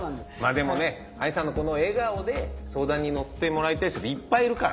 でもねＡＩさんのこの笑顔で相談に乗ってもらいたい人いっぱいいるから。